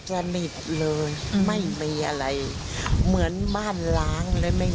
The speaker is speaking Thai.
ไม่เห็นด้วยซ้ำไปว่าเขาสั่งสั่นอะไรหรือเปล่าไม่เห็นไม่รู้